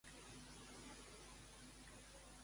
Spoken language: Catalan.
Quin significat s'atribueix a Sigyn?